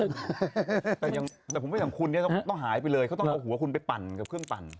แต่ผมว่าอย่างคุณเนี่ยต้องหายไปเลยเขาต้องเอาหัวคุณไปปั่นกับเครื่องปั่น